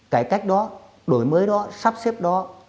cải cách đó đổi mới đó sắp xếp đó